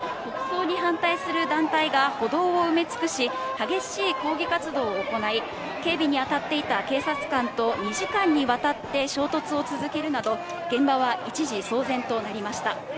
また、近くの九段下交差点では、国葬が始まる午後２時前から、国葬に反対する団体が歩道を埋め尽くし、激しい抗議活動を行い、警備に当たっていた警察官と、２時間にわたって衝突を続けるなど、現場は一時騒然となりました。